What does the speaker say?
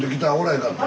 へんかった。